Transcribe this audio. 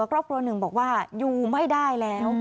ครอบครัวหนึ่งบอกว่าอยู่ไม่ได้แล้ว